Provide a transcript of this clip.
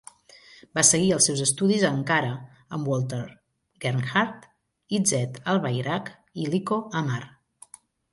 Va seguir els seus estudis a Ankara amb Walter Gerhard, Izzet Albayrak i Lico Amar.